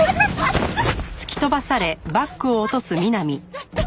ちょっと。